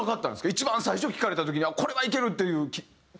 一番最初聴かれた時にこれはいける！っていう。